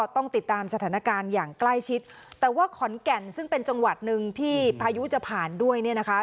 ต้องติดตามสถานการณ์อย่างใกล้ชิดแต่ว่าขอนแก่นซึ่งเป็นจังหวัดหนึ่งที่พายุจะผ่านด้วยเนี่ยนะคะ